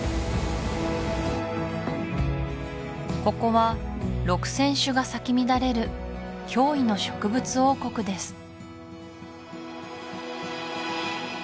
ここは６０００種が咲き乱れる驚異の植物王国です